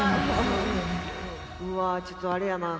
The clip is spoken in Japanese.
うわーちょっとあれやな。